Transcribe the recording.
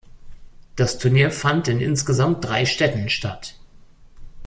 Das Turnier fand in insgesamt drei Städten statt.